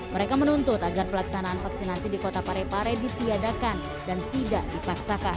mereka menuntut agar pelaksanaan vaksinasi di kota parepare ditiadakan dan tidak dipaksakan